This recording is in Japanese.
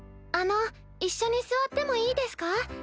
あの一緒に座ってもいいですか？